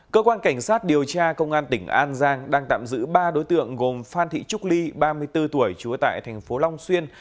cơ quan cảnh sát điều tra công an tỉnh an giang đang tạm giữ ba đối tượng gồm phan thị trúc ly ba mươi bốn tuổi trú tại thành phố long xuyên